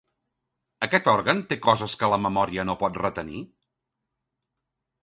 Aquest òrgan té coses que la memòria no pot retenir?